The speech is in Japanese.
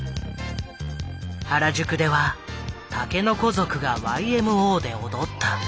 原宿では竹の子族がＹＭＯで踊った。